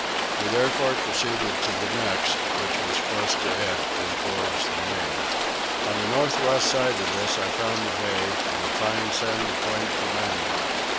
We therefore proceeded to the next, which was close to it and towards the main. On the north west side of this I found a bay and a fine sandy point to land at.